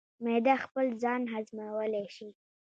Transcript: معده خپل ځان هضمولی شي.